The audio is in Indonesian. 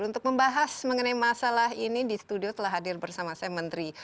untuk membahas mengenai masalah ini di studio telah hadir bersama saya menteri